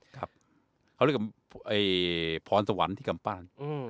ครับเขาเรียกว่าพรสวรรค์ที่กำปั้น